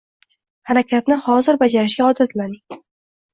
Harakatni hozir bajarishga odatlaning.